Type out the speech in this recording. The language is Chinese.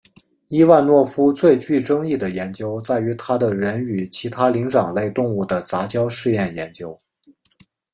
伊万诺夫最具争议的研究在于他的人与其他灵长类动物的杂交试验研究。